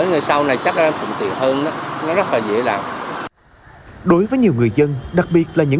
ngày sau này chắc ra thuận tiện hơn nó rất là dễ làm đối với nhiều người dân đặc biệt là những